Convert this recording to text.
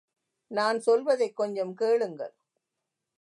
நான் சொல்வதைக் கொஞ்சம் கேளுங்கள்.